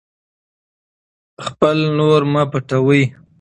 خپل نور مه پټوئ.